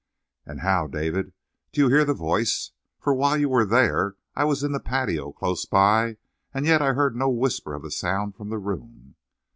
"And how, David, do you hear the voice? For while you were there I was in the patio, close by, and yet I heard no whisper of a sound from the room."